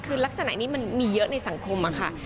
คือลักษณะนี้มันมีเยอะในสังคมอะค่ะ